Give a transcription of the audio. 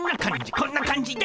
こんな感じで。